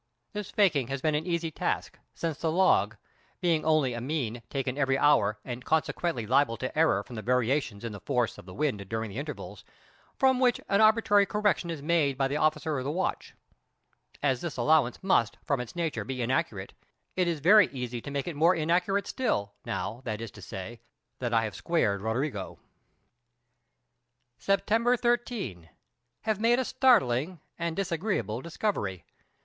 This faking has been an easy task, since the log, being only a mean taken every hour and consequently liable to error from the variations in the force of the wind during the intervals, from which an arbitrary correction is made by the officer of the watch; as this allowance must from its nature be inaccurate, it is very easy to make it more inaccurate still, now, that is to say, that I have squared Roderigo. September 13. Have made a startling and disagreeable discovery.